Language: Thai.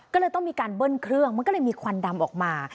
ก็เลยต้องมีการเบิ้ลเครื่องมันก็เลยมีควันดำออกมา